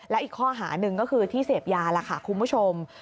และอีกข้อหาหนึ่งก็คือที่เสพยาล่ะค่ะคุณผู้ชม